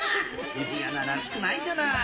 藤井アナらしくないじゃない。